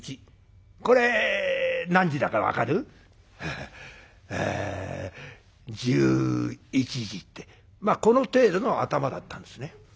「ハハえ１１時」ってまあこの程度の頭だったんですね。